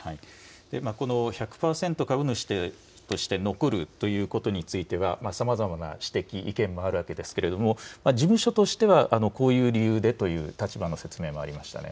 この１００％株主として残るということについては、さまざまな指摘、意見もあるわけですけれども、事務所としては、こういう理由でという立場の説明もありましたね。